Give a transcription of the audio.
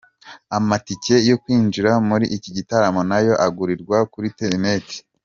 Amatike yo kwinjira muri iki gitaramo nayo agurirwa kuri internet.